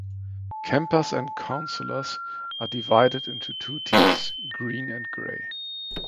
Campers and counselors are divided into two teams, green and gray.